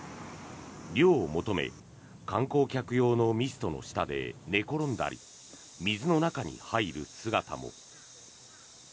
涼を求め観光客用のミストの下で寝転んだり水の中に入る姿も。